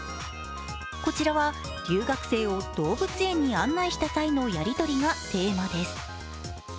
こちらは留学生を動物園に案内した際のやりとりがテーマです。